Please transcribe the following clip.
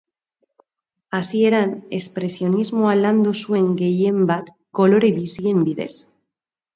Hasieran, espresionismoa landu zuen gehienbat, kolore bizien bidez.